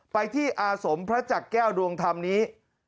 ไปที่อาสมพระจักรแก้วดวงธรรมนี้